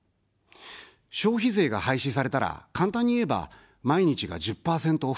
消費税が廃止されたら、簡単にいえば、毎日が１０％オフ。